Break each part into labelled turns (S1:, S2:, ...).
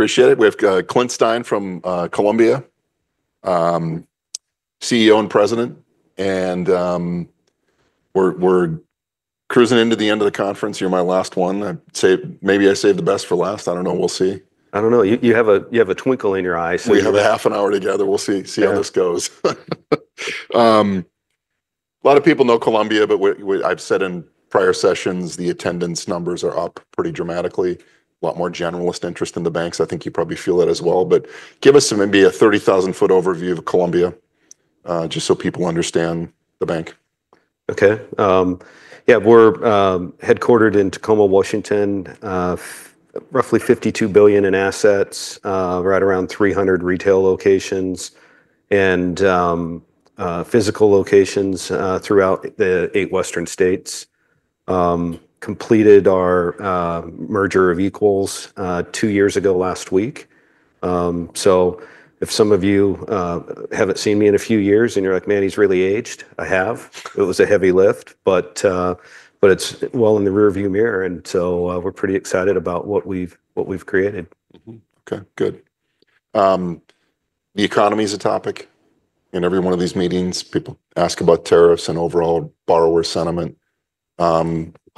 S1: Appreciate it. We have Clint Stein from Columbia, CEO and President, and we're cruising into the end of the conference. You're my last one. Maybe I save the best for last. I don't know. We'll see.
S2: I don't know. You have a twinkle in your eye.
S1: We have a half an hour together. We'll see how this goes. A lot of people know Columbia, but I've said in prior sessions, the attendance numbers are up pretty dramatically. A lot more generalist interest in the banks. I think you probably feel that as well. But give us maybe a 30,000-foot overview of Columbia, just so people understand the bank.
S2: OK. Yeah, we're headquartered in Tacoma, Washington, roughly $52 billion in assets, right around 300 retail locations and physical locations throughout the eight western states. Completed our merger of equals two years ago last week. So if some of you haven't seen me in a few years and you're like, "Man, he's really aged," I have. It was a heavy lift, but it's well in the rearview mirror, and so we're pretty excited about what we've created.
S1: OK, good. The economy is a topic in every one of these meetings. People ask about tariffs and overall borrower sentiment. How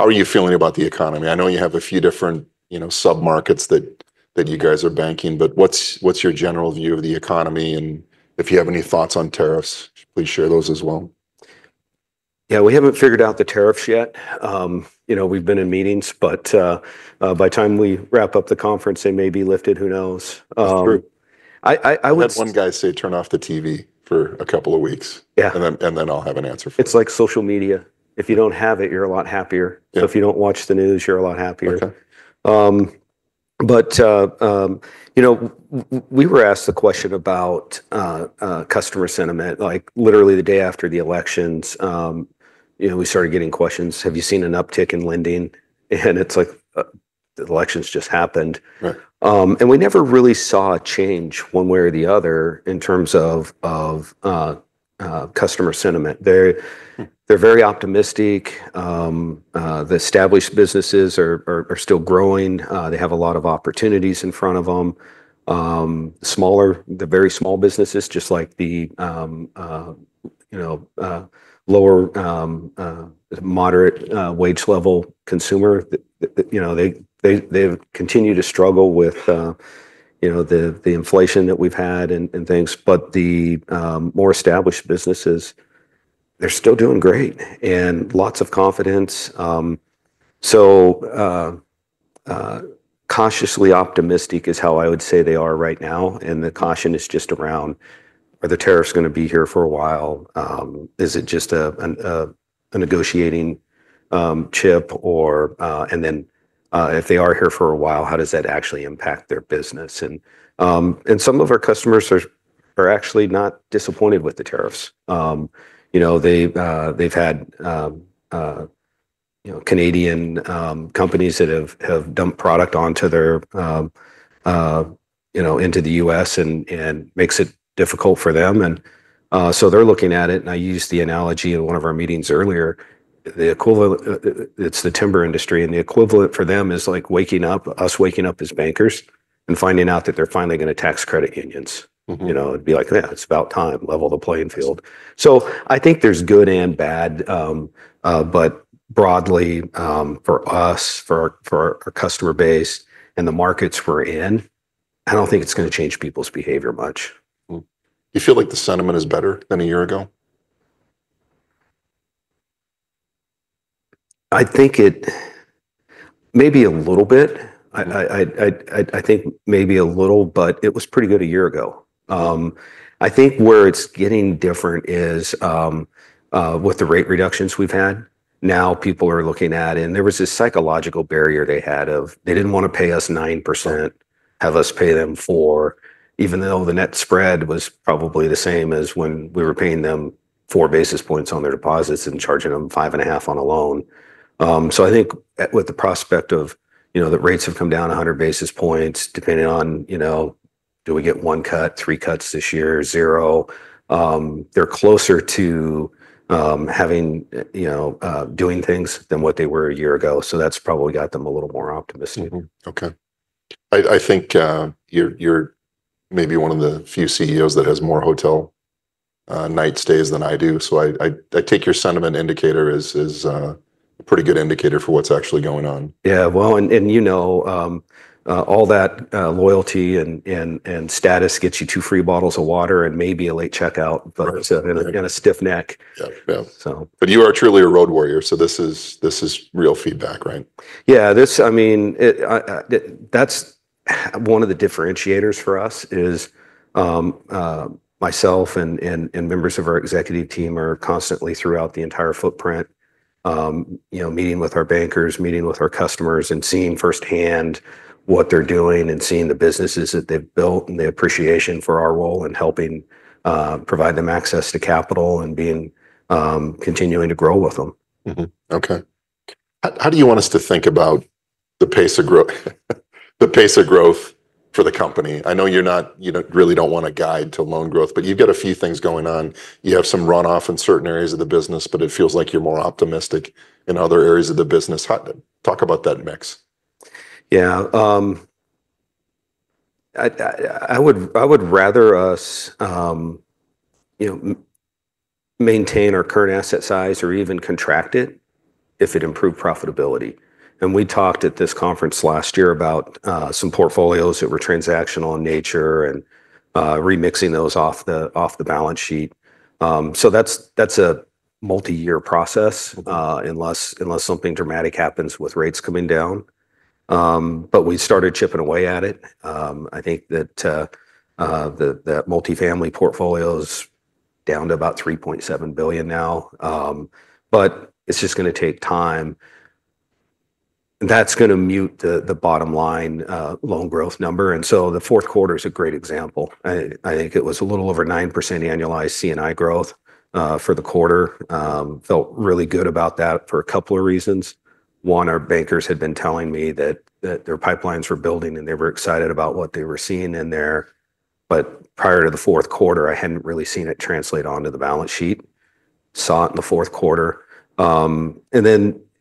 S1: are you feeling about the economy? I know you have a few different sub-markets that you guys are banking, but what's your general view of the economy, and if you have any thoughts on tariffs, please share those as well.
S2: Yeah, we haven't figured out the tariffs yet. We've been in meetings, but by the time we wrap up the conference, they may be lifted. Who knows?
S1: That's true. I had one guy say turn off the TV for a couple of weeks.
S2: Yeah.
S1: And then I'll have an answer for you.
S2: It's like social media. If you don't have it, you're a lot happier. If you don't watch the news, you're a lot happier. But we were asked the question about customer sentiment. Literally, the day after the elections, we started getting questions, "Have you seen an uptick in lending?" And it's like, "The elections just happened." And we never really saw a change one way or the other in terms of customer sentiment. They're very optimistic. The established businesses are still growing. They have a lot of opportunities in front of them. The very small businesses, just like the lower, moderate wage level consumer, they continue to struggle with the inflation that we've had and things. But the more established businesses, they're still doing great and lots of confidence. So cautiously optimistic is how I would say they are right now. And the caution is just around, are the tariffs going to be here for a while? Is it just a negotiating chip? And then if they are here for a while, how does that actually impact their business? And some of our customers are actually not disappointed with the tariffs. They've had Canadian companies that have dumped product into the US. and makes it difficult for them. And so they're looking at it. And I used the analogy in one of our meetings earlier. It's the timber industry. And the equivalent for them is like us waking up as bankers and finding out that they're finally going to tax credit unions. It'd be like, yeah, it's about time, level the playing field. So I think there's good and bad. but broadly, for us, for our customer base and the markets we're in, I don't think it's going to change people's behavior much.
S1: You feel like the sentiment is better than a year ago?
S2: I think it may be a little bit. I think maybe a little, but it was pretty good a year ago. I think where it's getting different is with the rate reductions we've had. Now people are looking at it, and there was this psychological barrier they had of they didn't want to pay us 9%, have us pay them 4%, even though the net spread was probably the same as when we were paying them 4 basis points on their deposits and charging them 5.5% on a loan. So I think with the prospect of the rates have come down 100 basis points, depending on do we get one cut, three cuts this year, zero, they're closer to doing things than what they were a year ago. So that's probably got them a little more optimistic.
S1: OK. I think you're maybe one of the few CEOs that has more hotel night stays than I do. So I take your sentiment indicator as a pretty good indicator for what's actually going on.
S2: Yeah, well, and you know all that loyalty and status gets you two free bottles of water and maybe a late checkout and a stiff neck.
S1: Yeah, yeah. But you are truly a road warrior. So this is real feedback, right?
S2: Yeah. I mean, that's one of the differentiators for us is myself and members of our executive team are constantly throughout the entire footprint, meeting with our bankers, meeting with our customers, and seeing firsthand what they're doing and seeing the businesses that they've built and the appreciation for our role and helping provide them access to capital and continuing to grow with them.
S1: OK. How do you want us to think about the pace of growth for the company? I know you really don't want to guide to loan growth, but you've got a few things going on. You have some runoff in certain areas of the business, but it feels like you're more optimistic in other areas of the business. Talk about that mix.
S2: Yeah. I would rather us maintain our current asset size or even contract it if it improved profitability. And we talked at this conference last year about some portfolios that were transactional in nature and remixing those off the balance sheet. So that's a multi-year process unless something dramatic happens with rates coming down. But we started chipping away at it. I think that the multifamily portfolio is down to about $3.7 billion now. But it's just going to take time. That's going to mute the bottom line loan growth number. And so the Q4 is a great example. I think it was a little over 9% annualized C&I growth for the quarter. Felt really good about that for a couple of reasons. One, our bankers had been telling me that their pipelines were building and they were excited about what they were seeing in there. But prior to the Q4, I hadn't really seen it translate onto the balance sheet. Saw it in the Q4.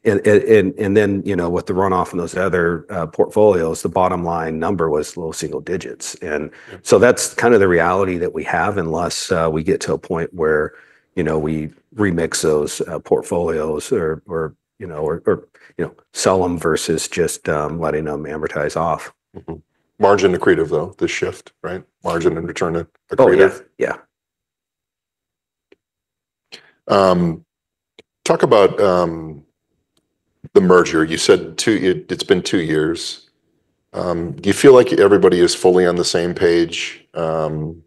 S2: And then with the runoff in those other portfolios, the bottom line number was low single digits. And so that's kind of the reality that we have unless we get to a point where we remix those portfolios or sell them versus just letting them amortize off.
S1: Margin accretive, though, the shift, right? Margin and return accretive.
S2: Oh, yeah. Yeah.
S1: Talk about the merger. You said it's been two years. Do you feel like everybody is fully on the same page in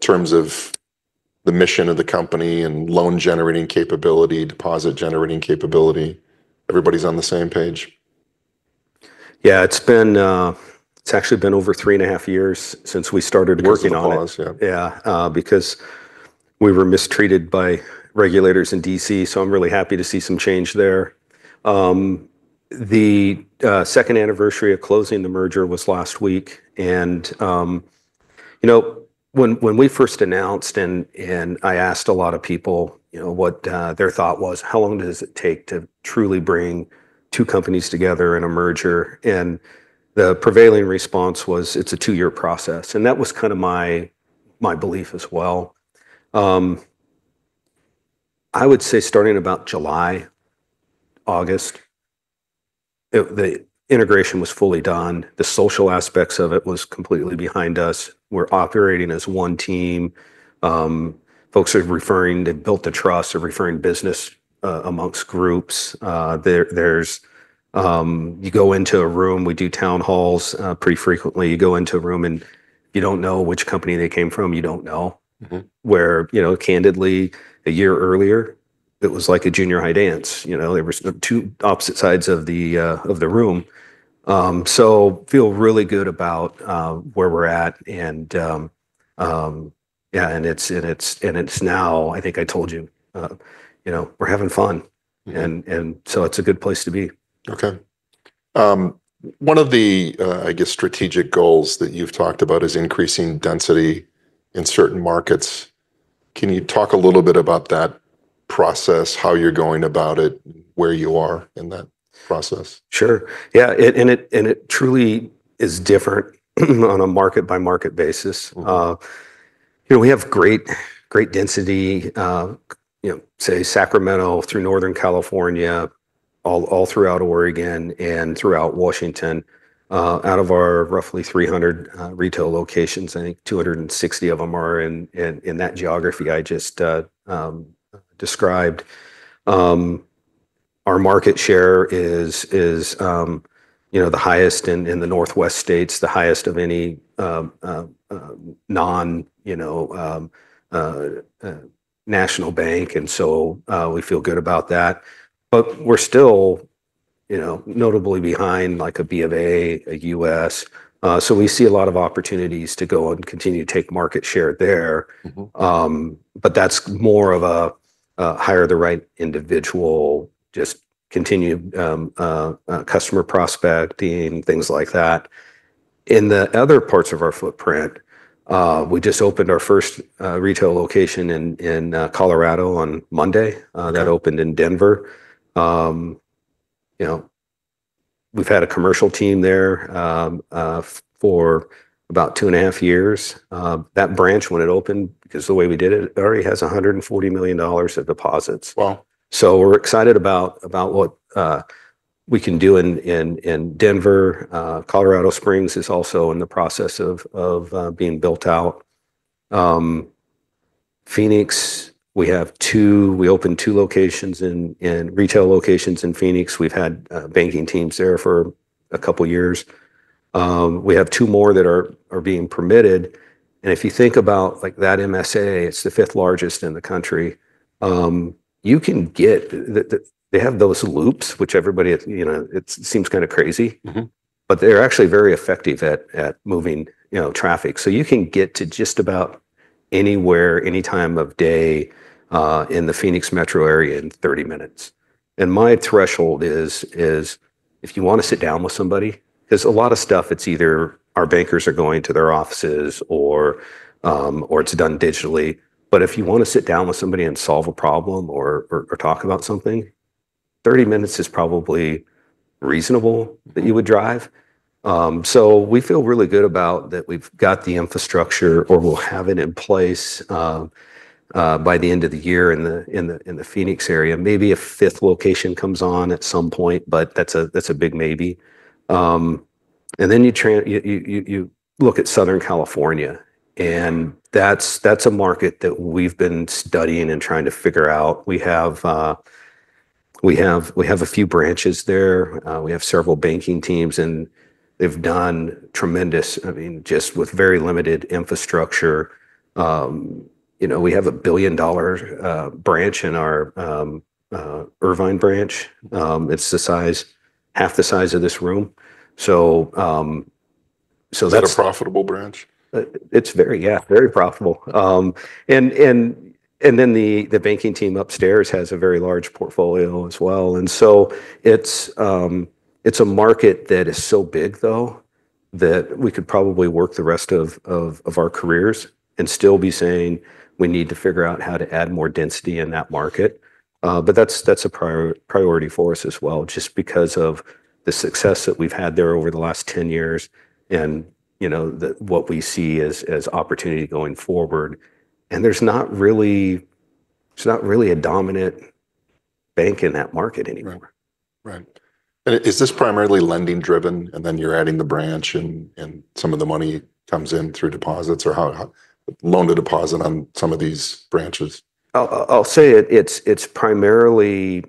S1: terms of the mission of the company and loan generating capability, deposit generating capability? Everybody's on the same page?
S2: Yeah. It's actually been over 3.5 years since we started working on it.
S1: Which is a pause, yeah.
S2: Yeah, because we were mistreated by regulators in DC, so I'm really happy to see some change there. The second anniversary of closing the merger was last week, and when we first announced and I asked a lot of people what their thought was, how long does it take to truly bring two companies together in a merger, and the prevailing response was, it's a two-year process, and that was kind of my belief as well. I would say starting about July, August, the integration was fully done. The social aspects of it was completely behind us. We're operating as one team. Folks are referring. They've built the trust. They're referring business amongst groups. You go into a room, we do town halls pretty frequently. You go into a room and you don't know which company they came from. You don't know. Where, candidly, a year earlier, it was like a junior high dance. There were two opposite sides of the room. So feel really good about where we're at. And yeah, and it's now, I think I told you, we're having fun. And so it's a good place to be.
S1: OK. One of the, I guess, strategic goals that you've talked about is increasing density in certain markets. Can you talk a little bit about that process, how you're going about it, where you are in that process?
S2: Sure. Yeah. And it truly is different on a market-by-market basis. We have great density, say, Sacramento through Northern California, all throughout Oregon and throughout Washington. Out of our roughly 300 retail locations, I think 260 of them are in that geography I just described. Our market share is the highest in the northwest states, the highest of any non-national bank. And so we feel good about that. But we're still notably behind like a B of A, a US. So we see a lot of opportunities to go and continue to take market share there. But that's more of a hire the right individual, just continue customer prospecting, things like that. In the other parts of our footprint, we just opened our first retail location in Colorado on Monday. That opened in Denver. We've had a commercial team there for about 2 and 1/2 years. That branch, when it opened, because the way we did it, already has $140 million of deposits.
S1: Wow.
S2: So we're excited about what we can do in Denver. Colorado Springs is also in the process of being built out. Phoenix, we opened two locations in retail locations in Phoenix. We've had banking teams there for a couple of years. We have two more that are being permitted. And if you think about that MSA, it's the fifth largest in the country. They have those loops, which, everybody it seems, kind of crazy. But they're actually very effective at moving traffic. So you can get to just about anywhere, any time of day in the Phoenix metro area in 30 minutes. And my threshold is, if you want to sit down with somebody, because a lot of stuff, it's either our bankers are going to their offices or it's done digitally. But if you want to sit down with somebody and solve a problem or talk about something, 30 minutes is probably reasonable that you would drive. So we feel really good about that we've got the infrastructure or we'll have it in place by the end of the year in the Phoenix area. Maybe a fifth location comes on at some point, but that's a big maybe. And then you look at Southern California. And that's a market that we've been studying and trying to figure out. We have a few branches there. We have several banking teams. And they've done tremendous, I mean, just with very limited infrastructure. We have a $1 billion branch in our Irvine branch. It's half the size of this room. So that's.
S1: Is that a profitable branch?
S2: Yeah, very profitable. And then the banking team upstairs has a very large portfolio as well. And so it's a market that is so big, though, that we could probably work the rest of our careers and still be saying we need to figure out how to add more density in that market. But that's a priority for us as well, just because of the success that we've had there over the last 10 years and what we see as opportunity going forward. And there's not really a dominant bank in that market anymore.
S1: Right. Right. Is this primarily lending driven? And then you're adding the branch and some of the money comes in through deposits or loan to deposit on some of these branches?
S2: I'll say it's primarily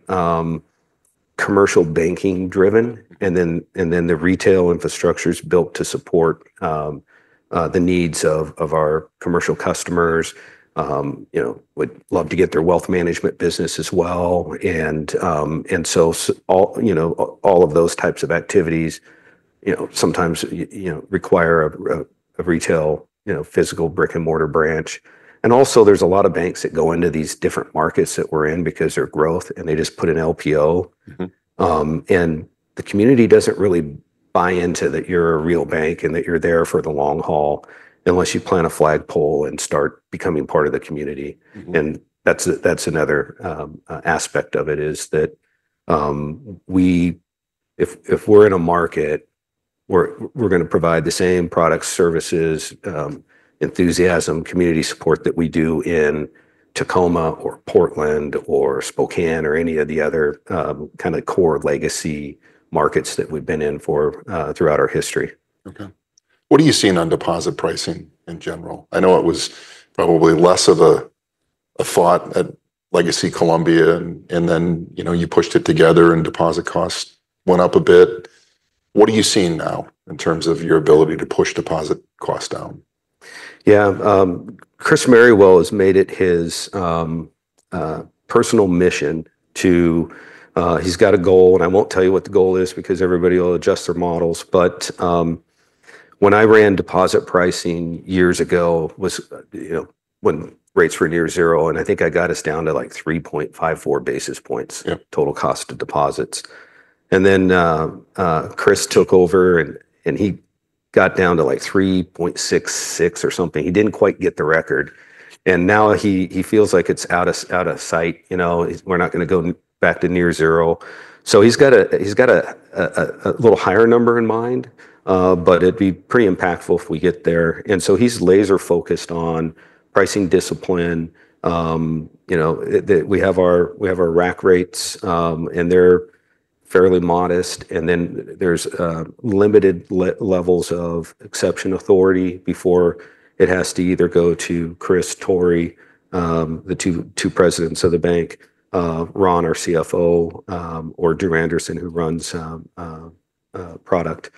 S2: commercial banking driven. And then the retail infrastructure is built to support the needs of our commercial customers. We'd love to get their wealth management business as well. And so all of those types of activities sometimes require a retail physical brick and mortar branch. And also, there's a lot of banks that go into these different markets that we're in because there's growth and they just put an LPO. And the community doesn't really buy into that you're a real bank and that you're there for the long haul unless you plant a flagpole and start becoming part of the community. That's another aspect of it is that if we're in a market, we're going to provide the same products, services, enthusiasm, community support that we do in Tacoma or Portland or Spokane or any of the other kind of core legacy markets that we've been in for throughout our history.
S1: OK. What are you seeing on deposit pricing in general? I know it was probably less of a thought at Legacy Columbia, and then you pushed it together and deposit costs went up a bit. What are you seeing now in terms of your ability to push deposit costs down?
S2: Yeah. Chris Merrywell has made it his personal mission to. He's got a goal, and I won't tell you what the goal is because everybody will adjust their models, but when I ran deposit pricing years ago, when rates were near zero, and I think I got us down to like 3.54 basis points total cost of deposits. Then Chris took over and he got down to like 3.66 or something. He didn't quite get the record, and now he feels like it's out of sight. We're not going to go back to near zero, so he's got a little higher number in mind. But it'd be pretty impactful if we get there, and so he's laser-focused on pricing discipline. We have our rack rates, and they're fairly modest. And then there's limited levels of exception authority before it has to either go to Chris, Tory, the two presidents of the bank, Ron, our CFO, or Drew Anderson, who runs product.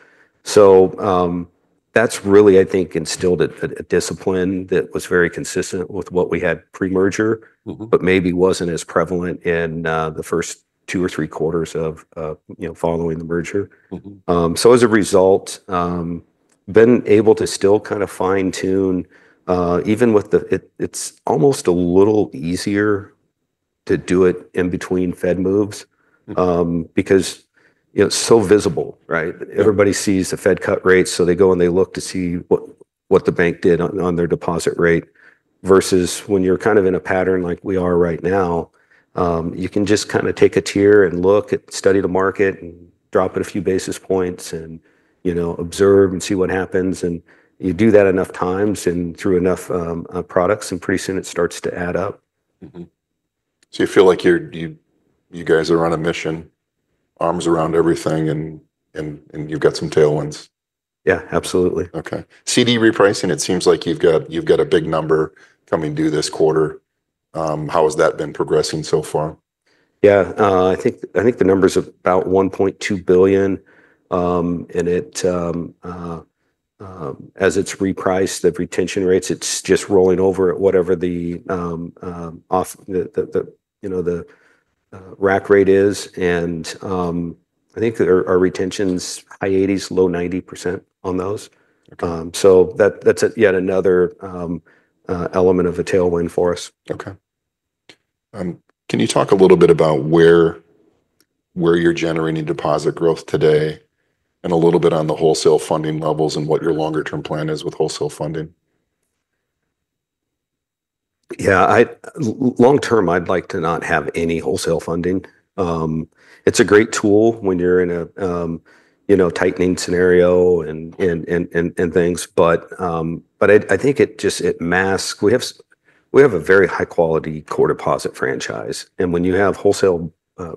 S2: So that's really, I think, instilled a discipline that was very consistent with what we had pre-merger, but maybe wasn't as prevalent in the first two or three quarters following the merger. So as a result, been able to still kind of fine-tune. Even with the it's almost a little easier to do it in between Fed moves because it's so visible. Everybody sees the Fed cut rates. So they go and they look to see what the bank did on their deposit rate. Versus when you're kind of in a pattern like we are right now, you can just kind of take a tier and look at, study the market and drop it a few basis points and observe and see what happens, and you do that enough times and through enough products, and pretty soon it starts to add up.
S1: So you feel like you guys are on a mission, arms around everything, and you've got some tailwinds?
S2: Yeah, absolutely.
S1: OK. CD repricing, it seems like you've got a big number coming due this quarter. How has that been progressing so far?
S2: Yeah. I think the number's about $1.2 billion. And as it's repriced, the retention rates, it's just rolling over at whatever the rack rate is. And I think our retention's high 80s, low 90% on those. So that's yet another element of a tailwind for us.
S1: OK. Can you talk a little bit about where you're generating deposit growth today and a little bit on the wholesale funding levels and what your longer-term plan is with wholesale funding?
S2: Yeah. Long term, I'd like to not have any wholesale funding. It's a great tool when you're in a tightening scenario and things. But I think it just masks we have a very high-quality core deposit franchise. And when you have wholesale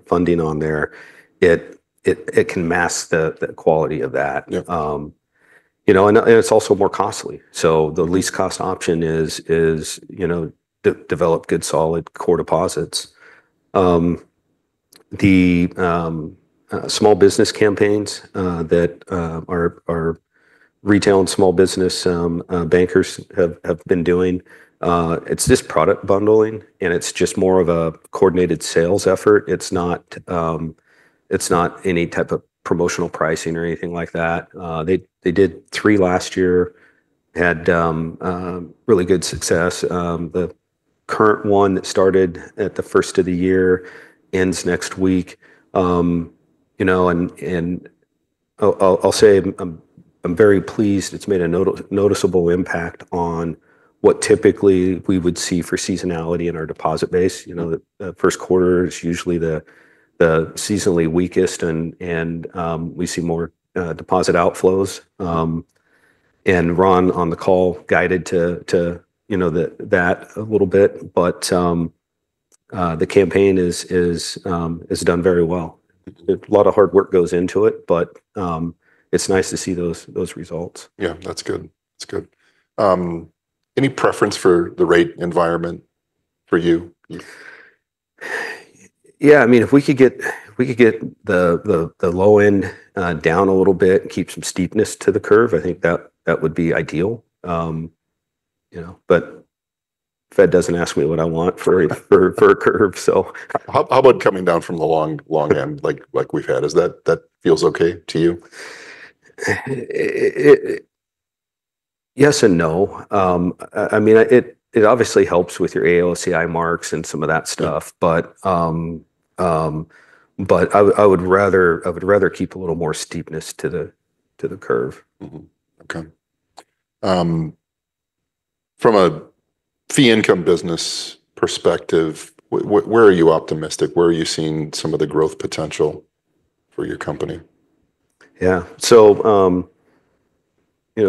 S2: funding on there, it can mask the quality of that. And it's also more costly. So the least cost option is to develop good solid core deposits. The small business campaigns that our retail and small business bankers have been doing, it's just product bundling. And it's just more of a coordinated sales effort. It's not any type of promotional pricing or anything like that. They did three last year, had really good success. The current one that started at the first of the year ends next week. And I'll say I'm very pleased. It's made a noticeable impact on what typically we would see for seasonality in our deposit base. The Q1 is usually the seasonally weakest, and we see more deposit outflows, and Ron, on the call, guided to that a little bit, but the campaign is done very well. A lot of hard work goes into it, but it's nice to see those results.
S1: Yeah, that's good. That's good. Any preference for the rate environment for you?
S2: Yeah. I mean, if we could get the low end down a little bit and keep some steepness to the curve, I think that would be ideal. But the Fed doesn't ask me what I want for a curve, so.
S1: How about coming down from the long end like we've had? That feels OK to you?
S2: Yes and no. I mean, it obviously helps with your AOCI marks and some of that stuff. But I would rather keep a little more steepness to the curve.
S1: OK. From a fee-income business perspective, where are you optimistic? Where are you seeing some of the growth potential for your company?
S2: Yeah. So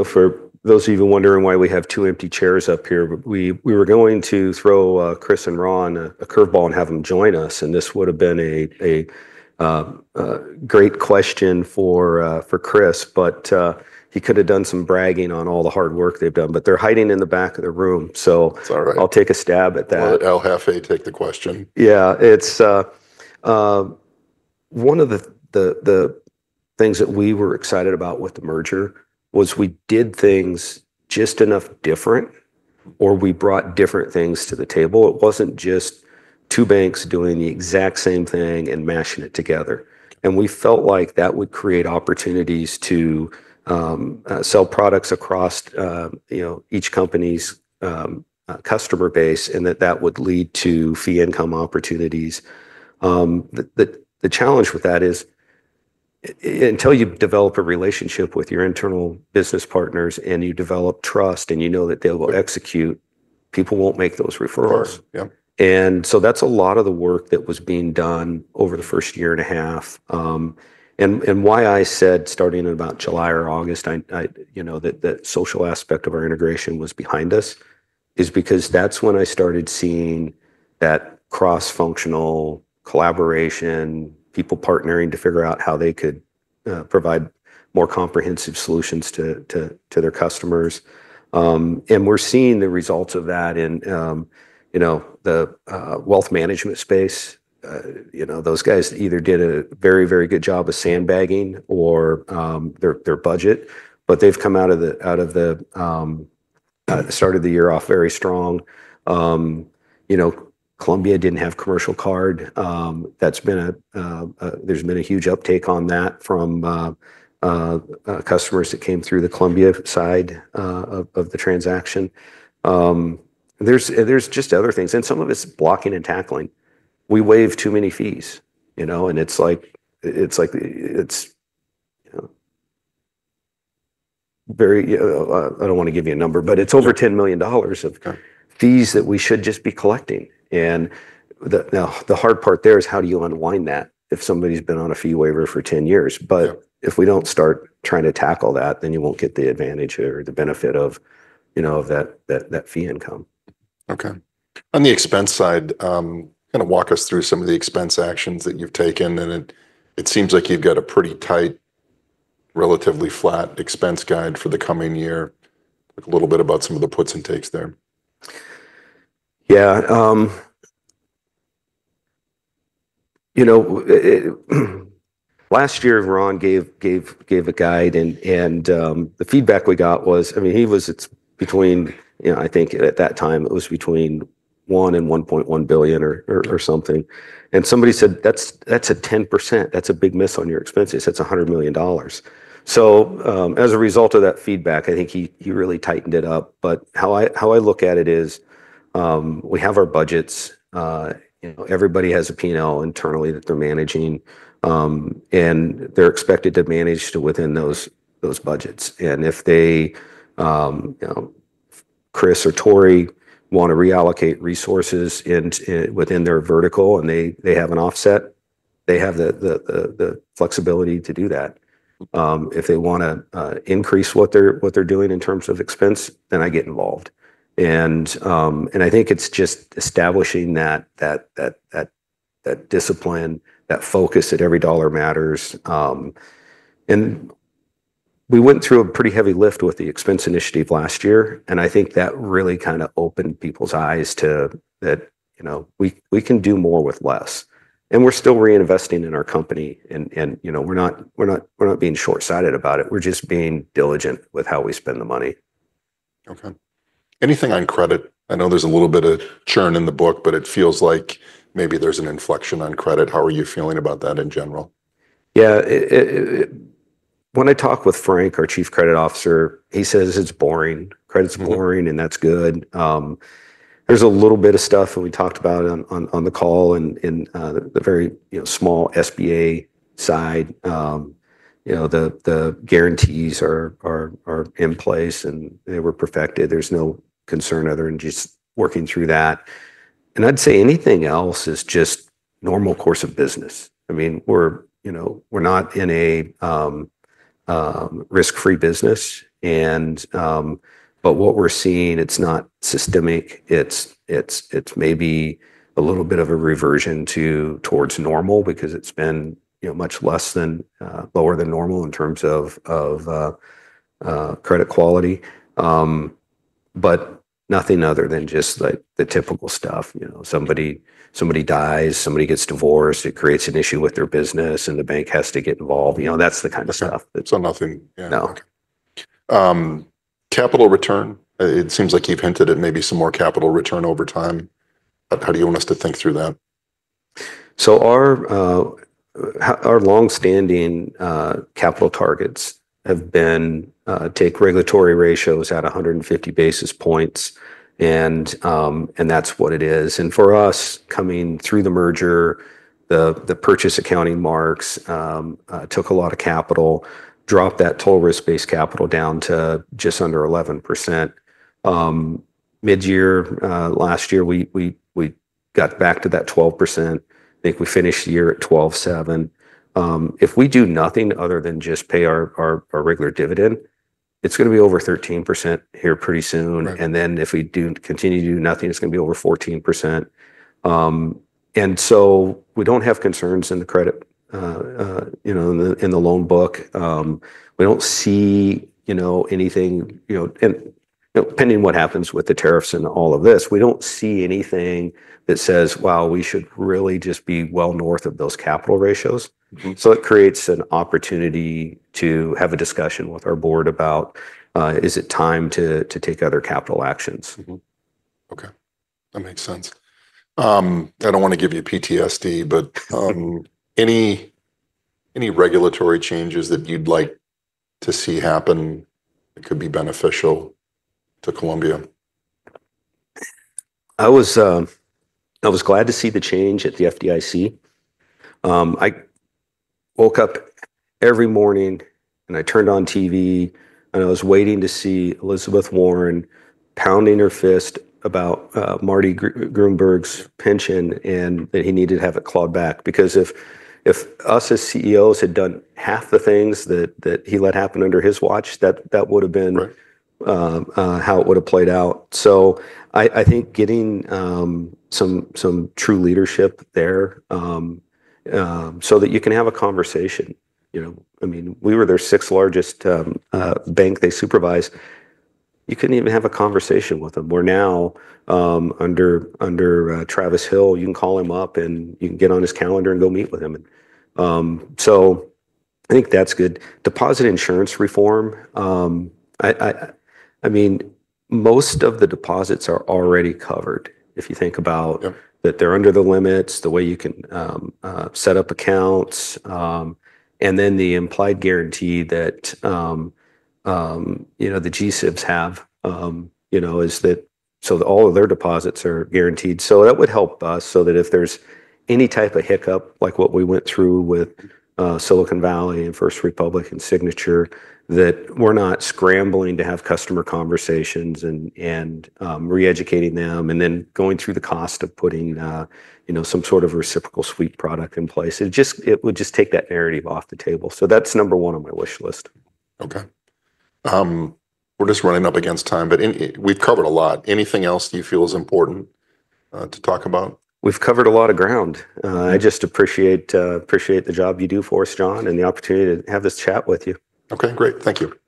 S2: for those of you wondering why we have two empty chairs up here, we were going to throw Chris and Ron a curveball and have them join us. And this would have been a great question for Chris. But he could have done some bragging on all the hard work they've done. But they're hiding in the back of the room. So I'll take a stab at that.
S1: I'll halfway take the question.
S2: Yeah. One of the things that we were excited about with the merger was we did things just enough different or we brought different things to the table. It wasn't just two banks doing the exact same thing and mashing it together. And we felt like that would create opportunities to sell products across each company's customer base and that that would lead to fee-income opportunities. The challenge with that is until you develop a relationship with your internal business partners and you develop trust and you know that they will execute, people won't make those referrals. And so that's a lot of the work that was being done over the first year and a half. And why I said starting in about July or August that the social aspect of our integration was behind us is because that's when I started seeing that cross-functional collaboration, people partnering to figure out how they could provide more comprehensive solutions to their customers. And we're seeing the results of that in the wealth management space. Those guys either did a very, very good job of sandbagging or their budget. But they've come out of the start of the year off very strong. Columbia didn't have commercial card. There's been a huge uptake on that from customers that came through the Columbia side of the transaction. There's just other things. And some of it's blocking and tackling. We waive too many fees. And it's like very. I don't want to give you a number. But it's over $10 million of fees that we should just be collecting. The hard part there is how do you unwind that if somebody's been on a fee waiver for 10 years? If we don't start trying to tackle that, then you won't get the advantage or the benefit of that fee income.
S1: OK. On the expense side, kind of walk us through some of the expense actions that you've taken. And it seems like you've got a pretty tight, relatively flat expense guide for the coming year. Talk a little bit about some of the puts and takes there.
S2: Yeah. Last year, Ron gave a guide, and the feedback we got was, I mean, he was between, I think at that time it was between one and 1.1 billion or something. And somebody said, that's a 10%. That's a big miss on your expenses. That's $100 million. So as a result of that feedback, I think he really tightened it up, but how I look at it is we have our budgets. Everybody has a P&L internally that they're managing, and they're expected to manage within those budgets. And if they, Chris or Tory, want to reallocate resources within their vertical and they have an offset, they have the flexibility to do that. If they want to increase what they're doing in terms of expense, then I get involved, and I think it's just establishing that discipline, that focus that every dollar matters. And we went through a pretty heavy lift with the expense initiative last year. And I think that really kind of opened people's eyes to that we can do more with less. And we're still reinvesting in our company. And we're not being short-sighted about it. We're just being diligent with how we spend the money.
S1: OK. Anything on credit? I know there's a little bit of churn in the book. But it feels like maybe there's an inflection on credit. How are you feeling about that in general?
S2: Yeah. When I talk with Frank, our Chief Credit Officer, he says it's boring. Credit's boring, and that's good. There's a little bit of stuff that we talked about on the call and the very small SBA side. The guarantees are in place, and they were perfected. There's no concern other than just working through that, and I'd say anything else is just normal course of business. I mean, we're not in a risk-free business. But what we're seeing, it's not systemic. It's maybe a little bit of a reversion towards normal because it's been much lower than normal in terms of credit quality. But nothing other than just the typical stuff. Somebody dies. Somebody gets divorced. It creates an issue with their business, and the bank has to get involved. That's the kind of stuff.
S1: So nothing.
S2: No.
S1: Capital return. It seems like you've hinted at maybe some more capital return over time. How do you want us to think through that?
S2: So our longstanding capital targets have been to take regulatory ratios at 150 basis points, and that's what it is. For us, coming through the merger, the purchase accounting marks took a lot of capital, dropped that total risk-based capital down to just under 11%. Mid-year last year, we got back to that 12%. I think we finished the year at 12.7%. If we do nothing other than just pay our regular dividend, it's going to be over 13% here pretty soon. Then if we continue to do nothing, it's going to be over 14%. So we don't have concerns in the credit, in the loan book. We don't see anything. Depending on what happens with the tariffs and all of this, we don't see anything that says, wow, we should really just be well north of those capital ratios. So it creates an opportunity to have a discussion with our board about, is it time to take other capital actions?
S1: OK. That makes sense. I don't want to give you PTSD. But any regulatory changes that you'd like to see happen that could be beneficial to Columbia?
S2: I was glad to see the change at the FDIC. I woke up every morning and I turned on TV and I was waiting to see Elizabeth Warren pounding her fist about Marty Gruenberg's pension and that he needed to have it clawed back. Because if us as CEOs had done half the things that he let happen under his watch, that would have been how it would have played out. I think getting some true leadership there so that you can have a conversation. I mean, we were their sixth largest bank they supervised. You couldn't even have a conversation with them. We're now under Travis Hill. You can call him up and you can get on his calendar and go meet with him. I think that's good. Deposit insurance reform. I mean, most of the deposits are already covered if you think about that they're under the limits, the way you can set up accounts, and then the implied guarantee that the G-SIBs have is that all of their deposits are guaranteed, so that would help us so that if there's any type of hiccup, like what we went through with Silicon Valley and First Republic and Signature, that we're not scrambling to have customer conversations and re-educating them and then going through the cost of putting some sort of reciprocal sweep product in place. It would just take that narrative off the table, so that's number one on my wish list.
S1: OK. We're just running up against time. But we've covered a lot. Anything else you feel is important to talk about?
S2: We've covered a lot of ground. I just appreciate the job you do for us, John, and the opportunity to have this chat with you.
S1: OK, great. Thank you.